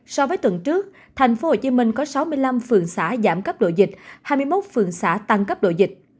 so với tuần trước tp hcm có sáu mươi năm phường xã giảm cấp độ dịch hai mươi một phường xã tăng cấp độ dịch